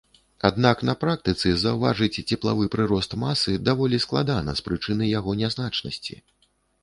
Аднак на практыцы заўважыць цеплавы прырост масы даволі складана з прычыны яго нязначнасці.